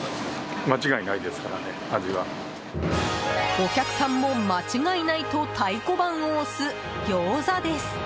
お客さんも間違いないと太鼓判を押すギョーザです。